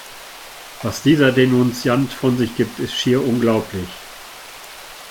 Was dieser Denunziant von sich gibt, ist schier unglaublich!